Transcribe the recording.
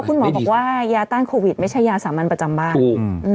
คุณหมอบอกว่ายาต้านโควิดไม่ใช่ยาสามัญประจำบ้าน